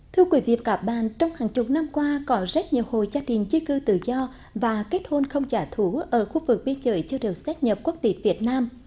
thưa quý vị và các bạn trong hàng chục năm qua có rất nhiều hộ gia đình chí cư tự do và kết hôn không trả thú ở khu vực biên giới chưa đều xét nhập quốc tịch việt nam